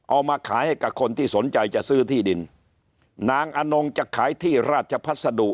เอามาขายให้กับคนที่สนใจจะซื้อที่ดินนางอนงจะขายที่ราชพัสดุ